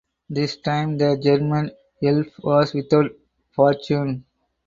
This time the German Elf was without Fortune.